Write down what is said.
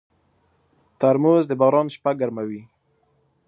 ترموز د باران شپه ګرموي.